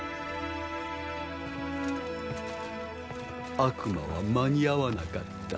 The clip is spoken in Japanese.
悪魔は間に合わなかった。